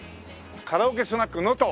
「カラオケスナック能登」